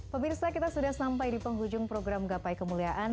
pemirsa kita sudah sampai di penghujung program gapai kemuliaan